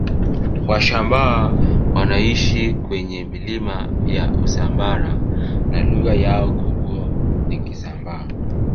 Washambaa wanaishi kwenye milima ya Usambara na lugha yao kubwa ni Kisambaa